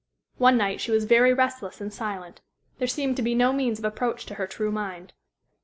One night she was very restless and silent. There seemed to be no means of approach to her true mind.